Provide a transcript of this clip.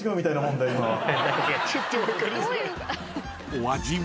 ［お味は？］